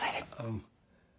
うん。